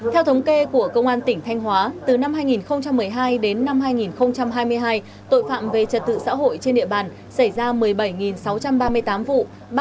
theo thống kê của công an tỉnh thanh hóa từ năm hai nghìn một mươi hai đến năm hai nghìn hai mươi hai tội phạm về trật tự xã hội trên địa bàn xảy ra một mươi bảy sáu trăm ba mươi tám vụ